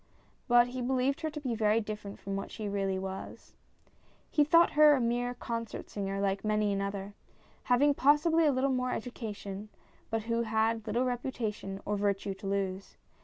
But he believed her to be very different from what she really was. He thought her a mere concert singer like many another, having possibly a little more education, but who had little reputation or virtue to lose.